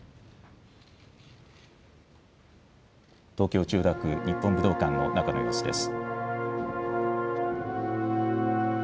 東京・千代田区日本武道館の中の様子です。